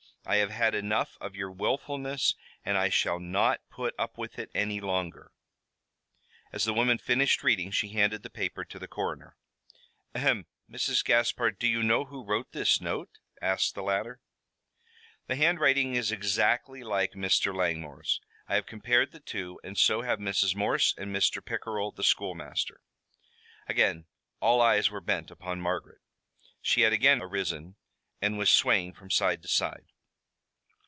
I have had enough of your willfulness and I shall not put up with it any longer." As the woman finished reading she handed the paper to the coroner. "Ahem! Mrs. Gaspard, do you know who wrote this note?" asked the latter. "The handwriting is exactly like Mr. Langmore's. I have compared the two, and so have Mrs. Morse and Mr. Pickerell, the schoolmaster." Again all eyes were bent upon Margaret. She had again arisen and was swaying from side to side.